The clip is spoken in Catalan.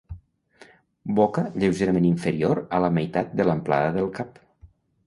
Boca lleugerament inferior a la meitat de l'amplada del cap.